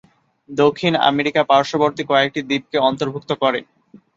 দক্ষিণ আমেরিকা পার্শ্ববর্তী কয়েকটি দ্বীপকে অন্তর্ভুক্ত করে।